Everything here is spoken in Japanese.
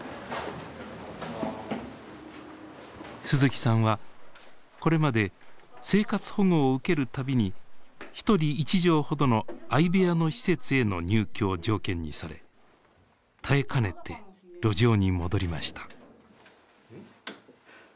鈴木さんはこれまで生活保護を受ける度に一人一畳ほどの相部屋の施設への入居を条件にされ耐えかねて路上に戻りました。